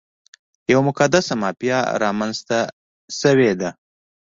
یوه مقدسه مافیا رامنځته شوې ده.